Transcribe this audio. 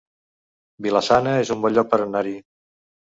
Vila-sana es un bon lloc per anar-hi